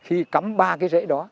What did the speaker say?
khi cắm ba cái rễ đó